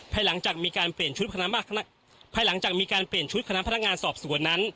ภายหลังจากมีการเปลี่ยนชุดคณะพนักงานสอบสวนนั้น